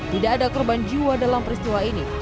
tidak ada korban jiwa dalam peristiwa ini